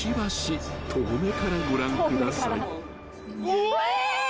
うわ！